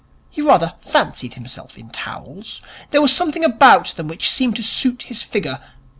He rather fancied himself in towels. There was something about them which seemed to suit his figure.